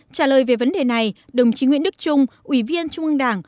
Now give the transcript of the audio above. trả lời về vấn đề này đồng chí nguyễn đức trung ủy viên trung ương đảng